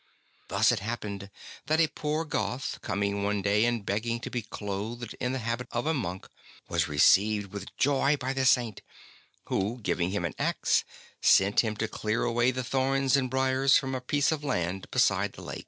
Thus it happened that a poor Goth, coming one day and begging to be clothed in the habit of a monk, was received with joy by the Saint, who, giving him an axe, set him to clear away the thorns and briers from a piece of land beside the lake.